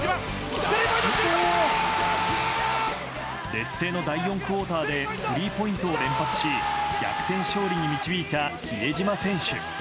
劣勢の第４クオーターでスリーポイントを連発し逆転勝利に導いた比江島選手。